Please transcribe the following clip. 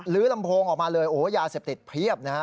ลำโพงออกมาเลยโอ้โหยาเสพติดเพียบนะฮะ